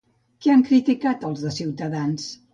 Què han criticat els de Ciutadans?